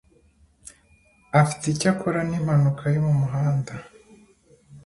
Afite icyo akora nimpanuka yo mumuhanda